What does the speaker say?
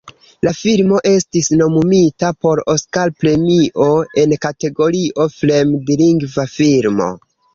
La filmo estis nomumita por Oskar-premio en kategorio "fremdlingva filmo".